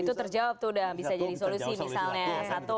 itu terjawab tuh udah bisa jadi solusi misalnya